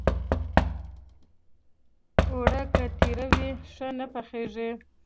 اوړه که ترۍ وي، ښه نه پخېږي